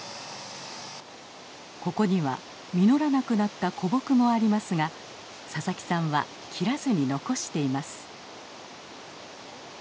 ここには実らなくなった古木もありますが佐々木さんは切らずに残しています。